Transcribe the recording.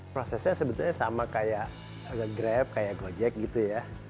prosesnya sebetulnya sama kayak ada grab kayak gojek gitu ya